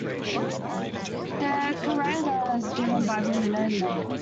The karanga is given by women only.